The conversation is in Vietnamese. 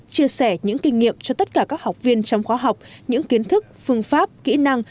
chia sẻ những kinh nghiệm cho tất cả các học viên trong khóa học những kiến thức phương pháp kỹ năng